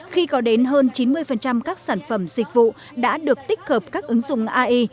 khi có đến hơn chín mươi các sản phẩm dịch vụ đã được tích hợp các ứng dụng ai